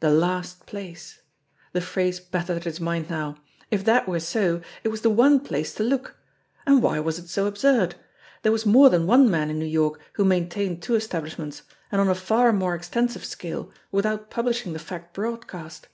The last place! The phrase battered at his mind now. If that were so, it was the one place to look ! And why was it so absurd? There was more than one man in New York who maintained two establishments, and on a far more ex tensive scale, without publishing the fact broadcast